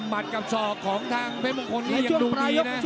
มัดกับของทางเพชรโมงคลยังดูดีไม่ใช่